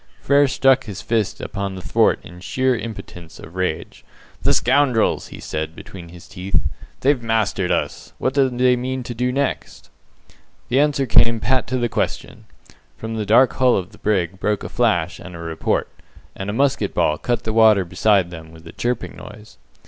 Frere struck his fist upon the thwart in sheer impotence of rage. "The scoundrels!" he said, between his teeth, "they've mastered us. What do they mean to do next?" The answer came pat to the question. From the dark hull of the brig broke a flash and a report, and a musket ball cut the water beside them with a chirping noise.